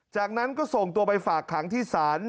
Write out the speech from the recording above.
จากนั้นก็ส่งตัวไปฝากขังที่ศาล